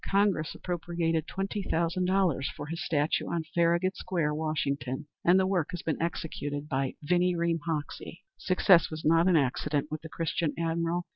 Congress appropriated twenty thousand dollars for his statue on Farragut Square, Washington, and the work has been executed by Vinnie Ream Hoxie. Success was not an accident with the Christian admiral.